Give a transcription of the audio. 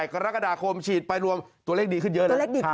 กรกฎาคมฉีดไปรวมตัวเลขดีขึ้นเยอะเลย